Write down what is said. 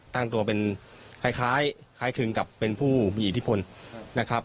ตั้งตัวเป็นคล้ายคลึงกับเป็นผู้มีอิทธิพลนะครับ